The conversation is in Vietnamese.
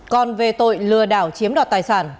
còn về tội lừa đảo chiếm đọt tài sản